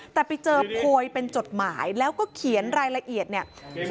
แต่ไปเจอโพยเป็นจดหมายแล้วก็เขียนรายละเอียดเนี่ย